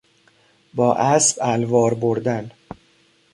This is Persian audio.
با اسب الوار بردن